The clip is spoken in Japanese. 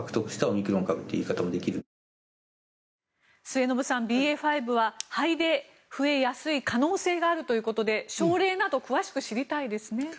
末延さんＢＡ．５は肺で増えやすい可能性があるということで症例など詳しく知りたいですね。